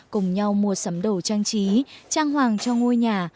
cùng nhau mua sắm đồ trang trí trang hoàng cho ngôi nhà